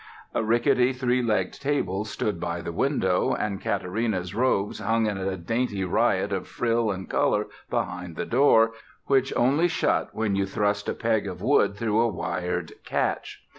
A rickety three legged table stood by the window, and Katarina's robes hung in a dainty riot of frill and color behind the door, which only shut when you thrust a peg of wood through a wired catch.